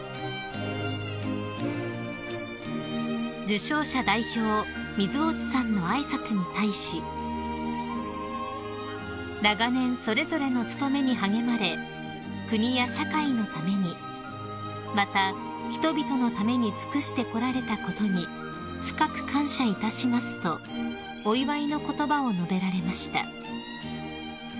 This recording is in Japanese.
［受章者代表水落さんの挨拶に対し「長年それぞれの務めに励まれ国や社会のためにまた人々のために尽くしてこられたことに深く感謝いたします」とお祝いの言葉を述べられました］